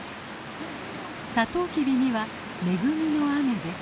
サトウキビには恵みの雨です。